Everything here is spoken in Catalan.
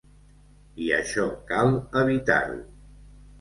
I això cal evitar-ho.